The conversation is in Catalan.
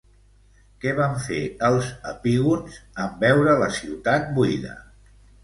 Què van fer els epígons en veure la ciutat buida?